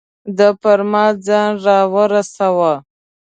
ده پر ما ځان را رساوه.